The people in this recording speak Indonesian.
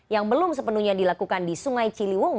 yang belum sepenuhnya dilakukan di sungai ciliwung